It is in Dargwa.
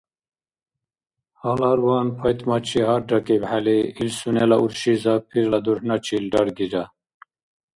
Гьаларван ПайтӀмачи гьарракӀибхӀели, ил сунела урши Запирла дурхӀначил раргира.